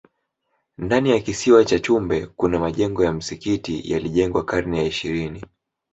ndani ya kisiwa cha chumbe kuna majengo ya msikiti yalijengwa karne ya ishirini